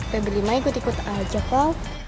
peberima ikut ikut aja kau